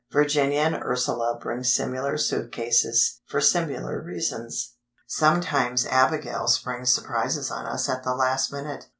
Virginia and Ursula bring similar suit cases, for similar reasons. Sometimes Abigail springs surprises on us at the last minute.